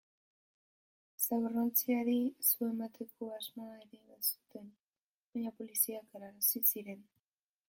Zaborrontziari su emateko asmoa ere bazuten, baina poliziak galarazi zien.